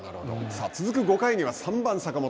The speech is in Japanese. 続く５回には、３番坂本。